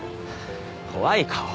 怖い顔。